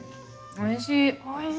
おいしい。